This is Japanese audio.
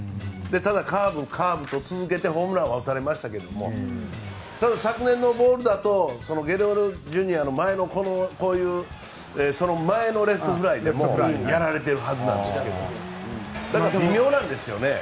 ただカーブ、カーブと続けてホームランは打たれましたけどもただ、昨年のボールだとゲレーロＪｒ．のレフトフライでもやられてるはずなんですけど。微妙なんですよね。